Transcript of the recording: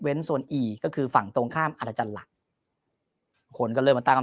เว้นโซนอีก็คือฝั่งตรงข้ามอรรจรรย์หลักคนก็เริ่มตาม